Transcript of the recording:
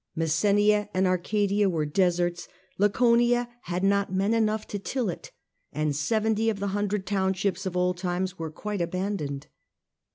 Messenia and Arcadia were deserts. Laconia had not men enough to till it, and seventy of the hundred townships of old times were quite abandoned.